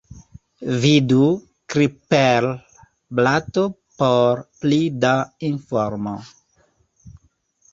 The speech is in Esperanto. Vidu "Clipper"-blato por pli da informo.